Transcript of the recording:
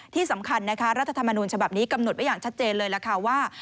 ที่สำคัญนะคะรัฐธรรมนูญฉบับนี้กำหนดไว้อย่างชัดเจนเลยล่ะค่ะว่า